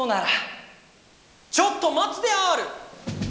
・ちょっとまつである！